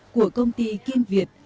của công ty kim việt